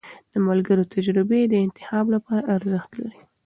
د ملګرو تجربې د انتخاب لپاره ارزښت لري.